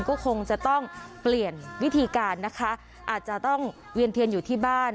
ก็คงจะต้องเปลี่ยนวิธีการนะคะอาจจะต้องเวียนเทียนอยู่ที่บ้าน